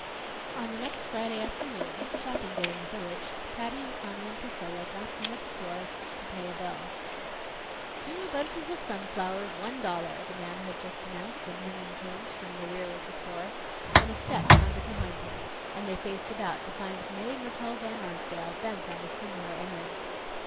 On the next Friday afternoon shopping day in the village Patty and Conny and Priscilla dropped in at the florist's to pay a bill. "Two bunches of sunflowers, one dollar," the man had just announced in ringing tones from the rear of the store, when a step sounded behind them, and they faced about to find Mae Mertelle Van Arsdale, bent on a similar errand.